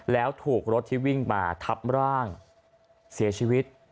แล้วถูกรถที่วิ่งมาทับร่างเสียชีวิต